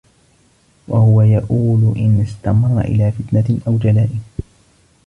وَهُوَ يَئُولُ إنْ اسْتَمَرَّ إلَى فِتْنَةٍ أَوْ جَلَاءٍ